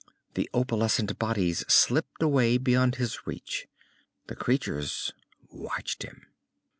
The opalescent bodies slipped away beyond his reach. The creatures watched him.